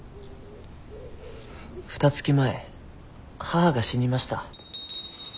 ふた月前母が死にました。